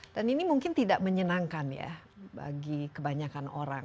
dan ini mungkin tidak menyenangkan ya bagi kebanyakan orang